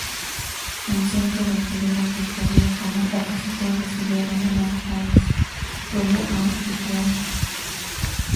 Consciente del peligro que corría como opositor, decidió abandonar el país, rumbo a Ipiales.